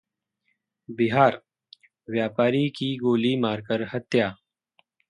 बिहारः व्यापारी की गोली मारकर हत्या